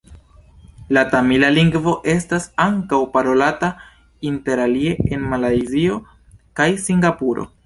La tamila lingvo estas ankaŭ parolata interalie en Malajzio kaj Singapuro.